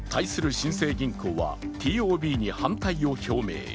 新生銀行は、ＴＯＢに反対を表明。